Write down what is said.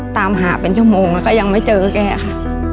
ตามหาเป็นชั่วโมงแล้วก็ยังไม่เจอแกค่ะ